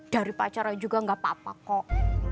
dari pacarnya juga gak apa apa kok